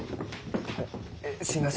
すみません